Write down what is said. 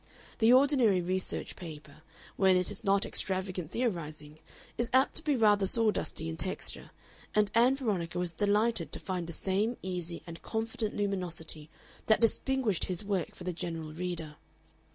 The ordinary research paper, when it is not extravagant theorizing, is apt to be rather sawdusty in texture, and Ann Veronica was delighted to find the same easy and confident luminosity that distinguished his work for the general reader.